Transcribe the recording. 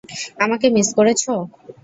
আমাকে মিস করেছ?